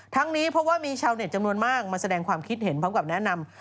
นี้เพราะว่ามีชาวเน็ตจำนวนมากมาแสดงความคิดเห็นพร้อมกับแนะนำ